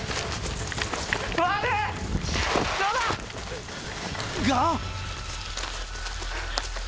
どうだ？が！